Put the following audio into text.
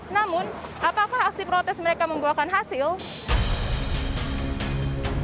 namun apakah aksi protes mereka membuahkan hasil